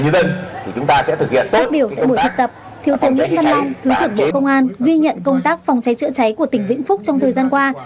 phát biểu tại buổi thực tập thiếu tướng nguyễn văn long thứ trưởng bộ công an ghi nhận công tác phòng cháy chữa cháy của tỉnh vĩnh phúc trong thời gian qua